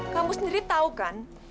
kamu sendiri tahu kan